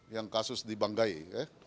yang kasus di banggai ya